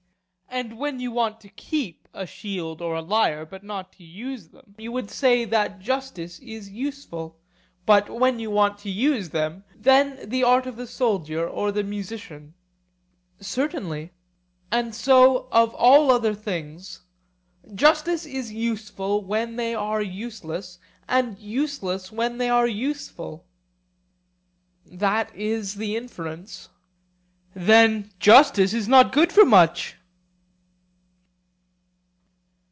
And when you want to keep a shield or a lyre, and not to use them, you would say that justice is useful; but when you want to use them, then the art of the soldier or of the musician? Certainly. And so of all other things;—justice is useful when they are useless, and useless when they are useful? That is the inference. Then justice is not good for much.